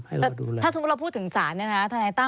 ท่านภูยภาคสาประจำสารนั้นก็ทำเรื่องมาถึงสภาทนายความ